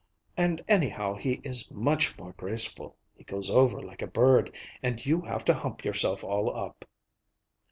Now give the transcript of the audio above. And anyhow, he is much more graceful. He goes over like a bird, and you have to hump yourself all up."